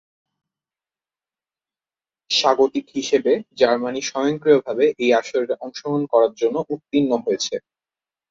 স্বাগতিক হিসেবে জার্মানি স্বয়ংক্রিয়ভাবে এই আসরের অংশগ্রহণ করার জন্য উত্তীর্ণ হয়েছে।